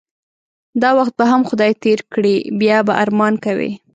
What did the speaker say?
دا وخت به هم خدای تیر کړی بیا به ارمان کوی